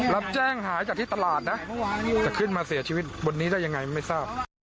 รับแจ้งหายจากที่ตลาดนะจะขึ้นมาเสียชีวิตบนนี้ได้ยังไงไม่ทราบ